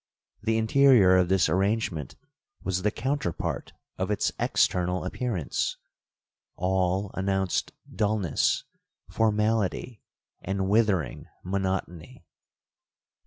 The interior of this arrangement was the counterpart of its external appearance,—all announced dullness, formality, and withering monotony.